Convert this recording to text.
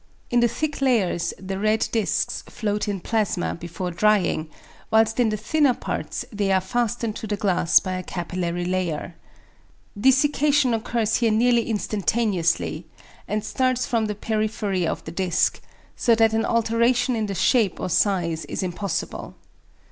In the thick layers the red discs float in plasma before drying, whilst in the thinner parts they are fastened to the glass by a capillary layer. Desiccation occurs here nearly instantaneously, and starts from the periphery of the disc; so that an alteration in the shape or size is impossible.